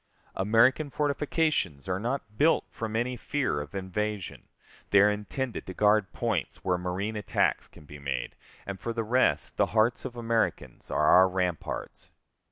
American fortifications are not built from any fear of invasion, they are intended to guard points where marine attacks can be made; and, for the rest, the hearts of Americans are our ramparts.